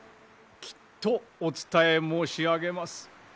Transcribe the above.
きっとお伝え申し上げます。